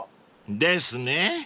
［ですね